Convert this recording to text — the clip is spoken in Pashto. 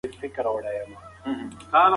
دا کتاب د سولې د ارزښت په اړه پوهه ورکوي.